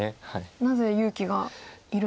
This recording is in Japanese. なぜ勇気がいるんですか？